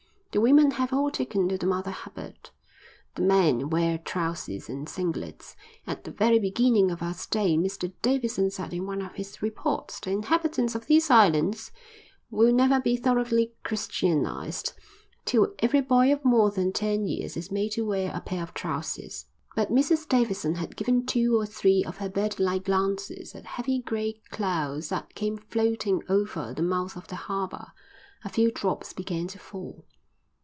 The women have all taken to the Mother Hubbard, and the men wear trousers and singlets. At the very beginning of our stay Mr Davidson said in one of his reports: the inhabitants of these islands will never be thoroughly Christianised till every boy of more than ten years is made to wear a pair of trousers." But Mrs Davidson had given two or three of her birdlike glances at heavy grey clouds that came floating over the mouth of the harbour. A few drops began to fall.